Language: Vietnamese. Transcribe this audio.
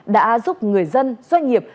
đã giúp người dân doanh nghiệp